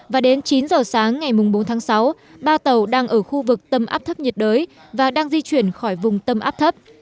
và đến chín giờ sáng ngày bốn tháng sáu ba tàu đang ở khu vực tâm áp thấp nhiệt đới và đang di chuyển khỏi vùng tâm áp thấp